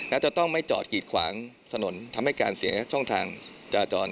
และจะต้องไม่จอดกีดขวางถนนทำให้การเสียช่องทางจราจร